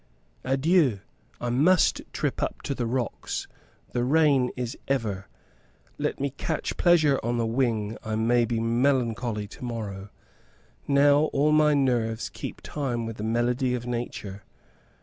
Adieu! I must trip up the rocks. The rain is over. Let me catch pleasure on the wing I may be melancholy to morrow. Now all my nerves keep time with the melody of nature.